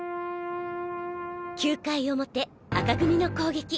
９回表紅組の攻撃